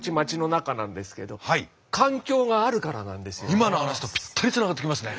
今の話とぴったりつながってきますね。